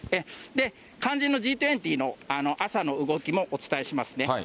肝心のＧ２０の朝の動きもお伝えしますね。